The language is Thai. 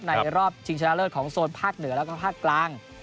รอบชิงชนะเลิศของโซนภาคเหนือแล้วก็ภาคกลาง